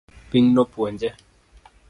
Piny nopuonje